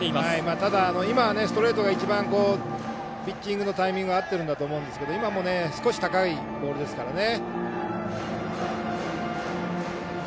ただ、今はストレートが一番ピッチングのタイミング合ってるんだと思いますけど今も、少し高いボールですからね。